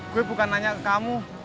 gue bukan nanya ke kamu